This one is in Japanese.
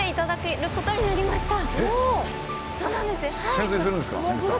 潜水するんですか？